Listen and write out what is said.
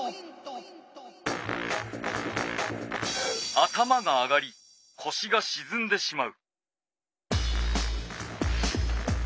頭が上がりこしがしずんでしまう。